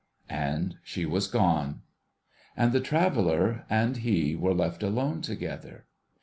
' And she was gone. And the traveller and he were left alone together.